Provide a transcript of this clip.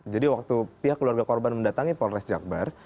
jadi waktu pihak keluarga korban mendatangi polres jakbar